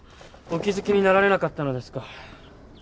お気づきになられなかったのですか。